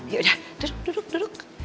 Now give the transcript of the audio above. yaudah duduk duduk